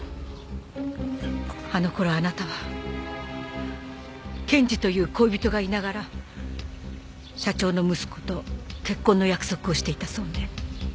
あのころあなたは健治という恋人がいながら社長の息子と結婚の約束をしていたそうね。